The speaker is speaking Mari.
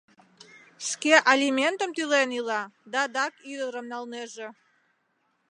Шке алиментым тӱлен ила да адак ӱдырым налнеже!